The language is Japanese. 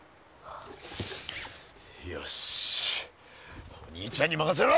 よしお兄ちゃんに任せろ！